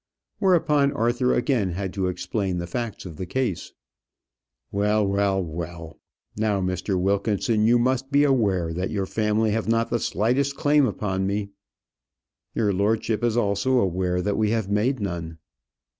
Whereupon Arthur again had to explain the facts of the case. "Well, well, well. Now, Mr. Wilkinson, you must be aware that your family have not the slightest claim upon me." "Your lordship is also aware that we have made none."